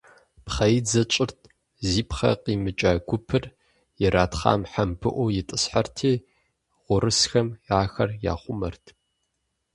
Пхъэидзэ тщӀырт, зи пхъэ къимыкӀа гупыр иратхъам хьэмбыӀуу итӏысхьэрти, гъуэрысхэм ахэр яхъумэрт.